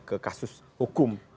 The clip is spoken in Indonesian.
ke kasus hukum partai